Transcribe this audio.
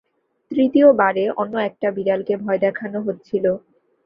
তৃতীয় বারে অন্য একটা বিড়ালকে ভয় দেখানো হচ্ছিল।